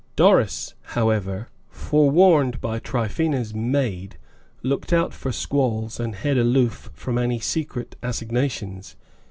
Doris, however, forewarned by Tryphaena's maid, looked out for squalls and held aloof from any secret assignations.